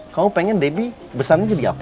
kamu pengen debbie besarnya jadi apa